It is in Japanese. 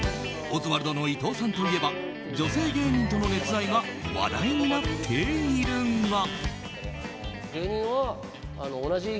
オズワルドの伊藤さんといえば女性芸人との熱愛が話題になっているが。